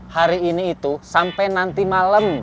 hari ini itu sampai nanti malam